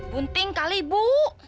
bunting kali ibu